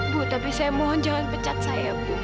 bu tapi saya mohon jangan pecat saya bu